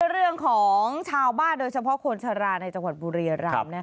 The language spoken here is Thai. เรื่องของชาวบ้านโดยเฉพาะคนชะลาในจังหวัดบุรียรำ